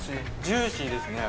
ジューシーですね